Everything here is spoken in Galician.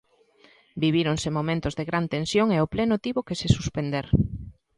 Vivíronse momentos de gran tensión e o pleno tivo que se suspender.